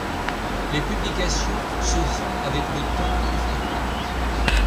Les publications se font avec le temps plus fréquentes.